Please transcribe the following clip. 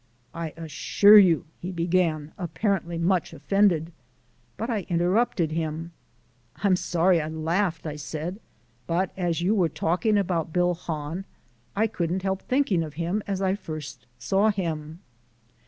"I assure you " he began, apparently much offended. But I interrupted him. "I'm sorry I laughed," I said, "but as you were talking about Bill Hahn, I couldn't help thinking of him as I first saw him."